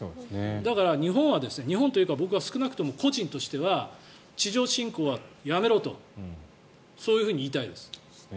だから、日本は日本というか僕は少なくとも個人としては地上侵攻はやめろとそう言いたいです。